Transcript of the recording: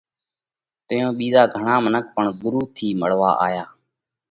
تئيون گھڻا ٻِيزا منک پڻ ڳرُو ٿِي مۯوا آيا۔